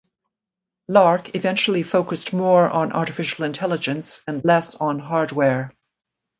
Lark eventually focused more on artificial intelligence and less on hardware.